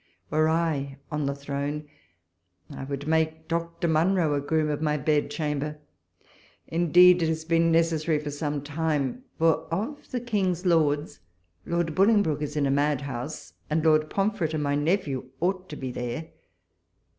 Were I on the throne, I would make Dr. Monro a Groom of my Bedchamber : indeed it has been necessary for some time ; for, of the King's lords. Lord Bolingbroke is in a mad house, and Lord Pom fret and my nephew ought to be there.